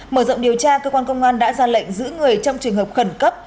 mở rộng điều tra cơ quan công an đã ra lệnh giữ người trong trường hợp khẩn cấp